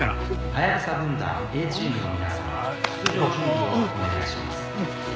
「ハヤブサ分団Ａチームの皆さんは出場準備をお願いします」